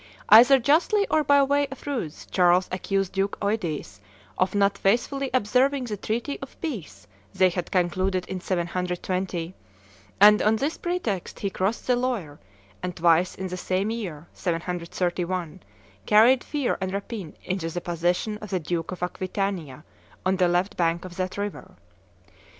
Either justly or by way of ruse Charles accused Duke Eudes of not faithfully observing the treaty of peace they had concluded in 720; and on this pretext he crossed the Loire, and twice in the same year, 731, carried fear and rapine into the possession of the Duke of Aquitania on the left bank of that river.